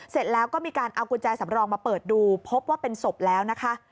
เสร็จแล้วก็มีการเอากุญแจสำรองมาเปิดดูพบว่าเป็นศพแล้วนะคะ